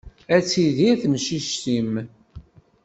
Ad tidir temcict-im.